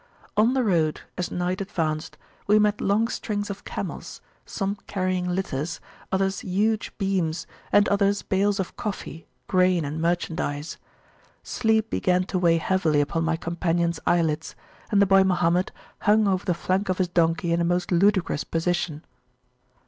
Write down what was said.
On the road, as night advanced, we met long strings of camels, some carrying litters, others huge beams, and others bales of coffee, grain, and merchandise. Sleep began to weigh heavily upon my companions eye lids, and the boy Mohammed hung over the flank of his donkey in a most ludicrous position.